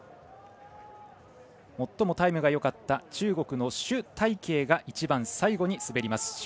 最もタイムがよかった中国の朱大慶が一番最後に滑ります。